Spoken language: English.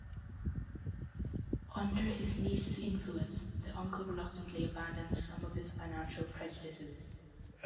Under his niece's influence, the uncle reluctantly abandons some of his financial prejudices.